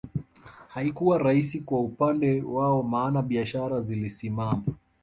Haikuwa rahisi kwa upande wao maana biashara zilisimama